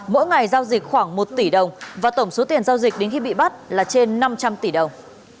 mỗi ngày giao dịch khoảng một tỷ đồng và tổng số tiền giao dịch đến khi bị bắt là trên năm trăm linh tỷ đồng